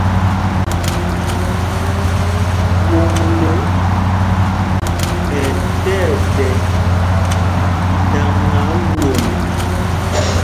Woŋglo ɛ́ tí ɛɗɛ́ ndāŋā won.